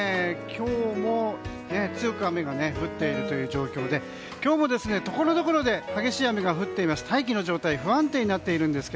今日も強く雨が降っているという状況で今日もところどころで激しい雨が降っています。